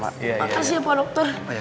makasih pak dokter